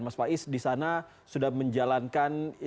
mas faiz di sana sudah menjalankan